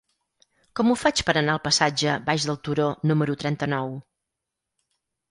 Com ho faig per anar al passatge Baix del Turó número trenta-nou?